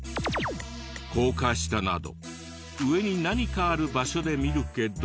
高架下など上に何かある場所で見るけど。